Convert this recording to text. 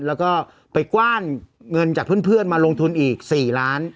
แล้วก็ไปกว้านเงินจากเพื่อนมาลงทุนอีก๔ล้าน